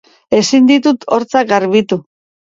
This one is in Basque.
Ezin ditut hortzak garbitu.